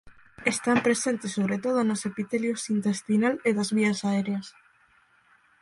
Están presentes sobre todo nos epitelios intestinal e das vías aéreas.